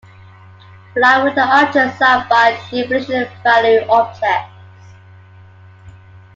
Flyweight objects are by definition value objects.